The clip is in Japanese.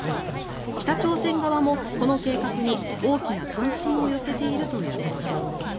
北朝鮮側もこの計画に大きな関心を寄せているということです。